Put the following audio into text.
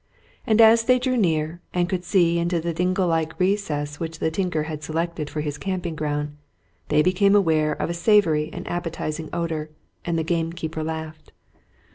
And as they drew near and could see into the dingle like recess which the tinker had selected for his camping ground they became aware of a savoury and appetizing odour, and the gamekeeper laughed.